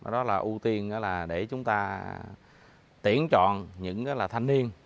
đó là ưu tiên để chúng ta tiễn trọn những thanh niên